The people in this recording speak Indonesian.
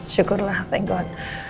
syukurlah thank god